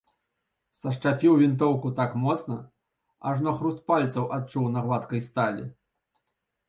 Сашчапіў вінтоўку так моцна, ажно хруст пальцаў адчуў на гладкай сталі.